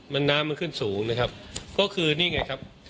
มันน้ำมันขึ้นสูงนะครับก็คือนี่ไงครับ